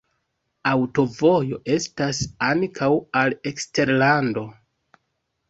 Aŭtovojo estas ankaŭ al eksterlando.